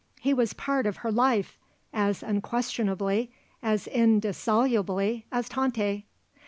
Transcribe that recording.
He was part of her life, as unquestionably, as indissolubly, as Tante.